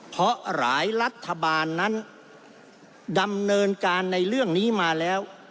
เพราะหลายรัฐบาลนั้นดำเนินการในเรื่องนี้มาแล้ว